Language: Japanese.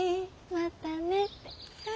またねって。